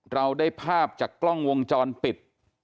เราได้ภาพจากกล้องวงจรปิด